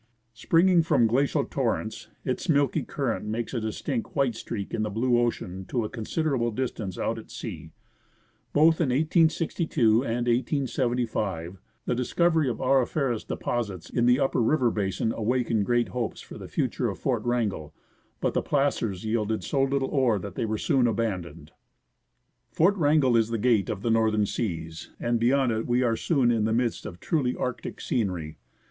Springing from glacier torrents, its milky current makes a distinct white streak in the blue ocean to a considerable distance out at sea. Both in 1862 and 1875, the discovery of auriferous deposits in the upper river basin awakened great hopes for the future of Fort Wrangel, but the " placers" yielded so little ore that they were soon abandoned. Fort Wrangel is the gate of the northern seas, and beyond it we are soon in the midst of truly Arctic scenery.